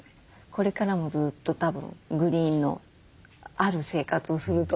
これからもずっとたぶんグリーンのある生活をすると思います。